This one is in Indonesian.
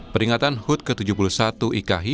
peringatan hud ke tujuh puluh satu iki